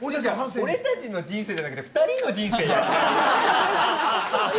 俺たちの人生じゃなくて２人の人生やりなよ。